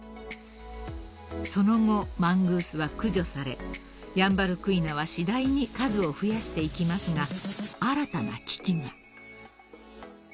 ［その後マングースは駆除されヤンバルクイナは次第に数を増やしていきますが新たな危機が］